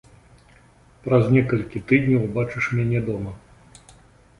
Праз некалькі тыдняў убачыш мяне дома.